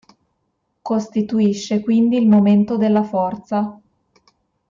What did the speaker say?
Costituisce quindi il momento della forza.